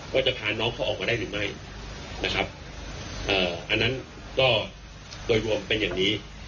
ว่าจะพาน้องเขาออกมาได้หรือไม่นะครับอันนั้นก็โดยรวมเป็นอย่างนี้